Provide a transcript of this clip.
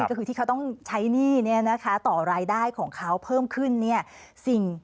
ก็คือที่เขาต้องใช้หนี้ต่อรายได้ของเขาเพิ่มขึ้น